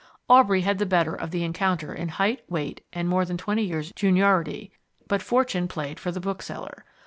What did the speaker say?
Aubrey had the better of the encounter in height, weight, and more than twenty years juniority, but fortune played for the bookseller.